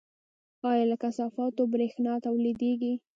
آیا له کثافاتو بریښنا تولیدیږي؟